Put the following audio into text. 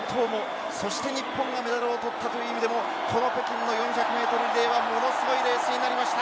日本がメダルを取ったという意味でもこの北京の４００ｍリレーはものすごいレースになりました。